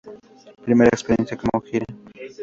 Primera experiencia como gira.